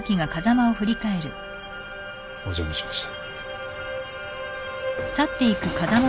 お邪魔しました。